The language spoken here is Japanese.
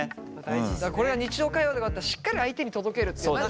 これが日常会話だったらしっかり相手に届けるって。